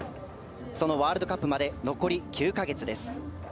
そのワールドカップまで残り９か月です。